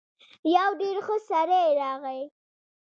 يو ډېر ښه سړی راغی.